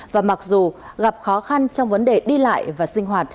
và mặc dù gặp khó khăn trong vấn đề đi lại và sinh hoạt